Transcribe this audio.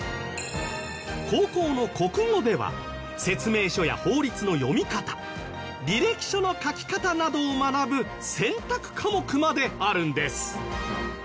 高校の国語では説明書や法律の読み方履歴書の書き方などを学ぶ選択科目まであるんです